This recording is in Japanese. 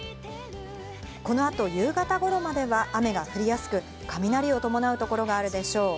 この後、夕方頃までは雨が降りやすく、雷を伴う所があるでしょう。